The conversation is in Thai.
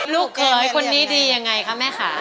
ลูกเขยคนนี้ดียังไงคะแม่ค่ะ